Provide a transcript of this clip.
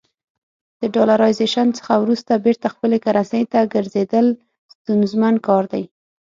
د ډالرایزیشن څخه وروسته بیرته خپلې کرنسۍ ته ګرځېدل ستونزمن کار دی.